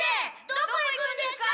どこ行くんですか？